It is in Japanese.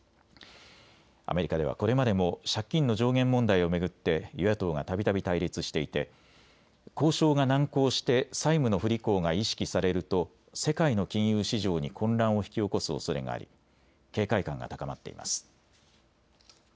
アメリカではこれまでも借金の上限問題を巡って与野党がたびたび対立していて交渉が難航して債務の不履行が意識されると世界の金融市場に混乱を引き起こすおそれがあり警戒感が高まっています。